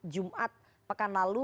jumat pekan lalu